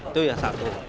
itu ya satu